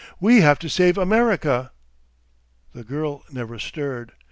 We have to save America!" The girl never stirred.